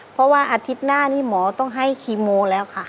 เพราะว่าอาทิตย์หน้านี้หมอต้องให้คีโมแล้วค่ะ